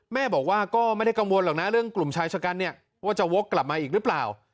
แม่บอกว่าก็ไม่ได้กังวลหรอกนะเรื่องกลุ่มชายชะกันเนี่ยว่าจะวกกลับมาอีกหรือเปล่า